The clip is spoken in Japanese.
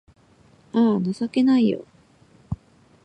あぁ、情けないよ